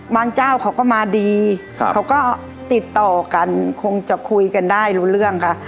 เจ้าเขาก็มาดีเขาก็ติดต่อกันคงจะคุยกันได้รู้เรื่องค่ะ